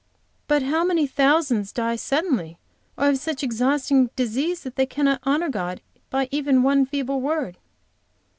"But how many thousands die suddenly, or of such exhausting disease that they cannot honor God by even one feeble word."